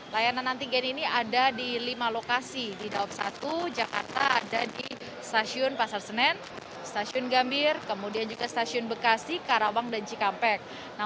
layanan antigen ini ada di lima lokasi di daob satu jakarta ada di stasiun pasar senen stasiun gambir kemudian juga stasiun bekasi karawang dan cikampek